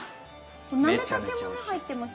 なめたけもね入ってましたけど。